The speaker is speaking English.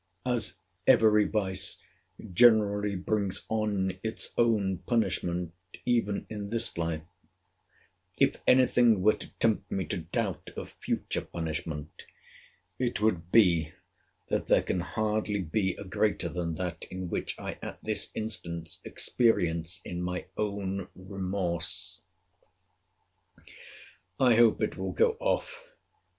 As every vice generally brings on its own punishment, even in this life; if any thing were to tempt me to doubt of future punishment, it would be, that there can hardly be a greater than that in which I at this instant experience in my own remorse. I hope it will go off.